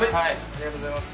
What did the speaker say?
ありがとうございます。